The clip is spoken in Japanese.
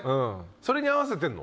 それに合わせてるの？